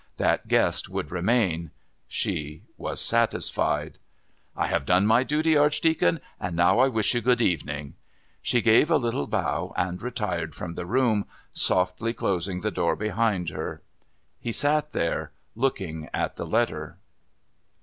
That guest would remain. She was satisfied. "I have done my duty, Archdeacon, and now I will wish you good evening." She gave a little bow and retired from the room, softly closing the door behind her. He sat there, looking at the letter....